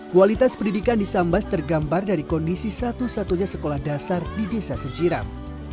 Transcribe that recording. kualitas pendidikan di sambas tergambar dari kondisi satu satunya sekolah dasar di desa sejiram